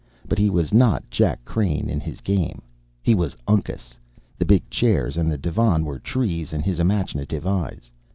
But he was not Jack Crane in his game; he was Uncas. The big chairs and the divan were trees in his imaginative eyes.